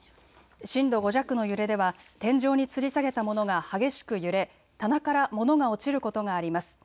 震度５弱の揺れでは天井につり下げたものが激しく揺れ棚から物が落ちることがあります。